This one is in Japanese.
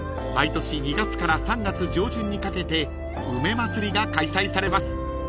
毎年２月から３月上旬にかけて梅まつりが開催されます］